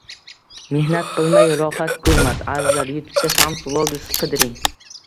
Mehnat qilmay rohat ko'rmas